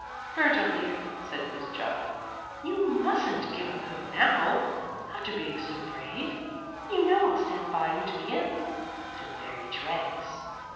"Virgil, dear," said Miss Chuff, "you MUSTN'T give up hope now, after being so brave. You know I'll stand by you to the end to the very dregs."